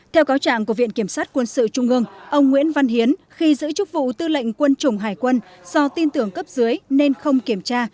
theo cáo trạng của viện kiểm sát quân sự trung ương ông nguyễn văn hiến khi giữ chức vụ tư lệnh quân chủng hải quân do tin tưởng cấp dưới nên không kiểm tra